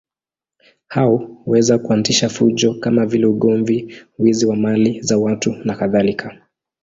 Hao huweza kuanzisha fujo kama vile ugomvi, wizi wa mali za watu nakadhalika.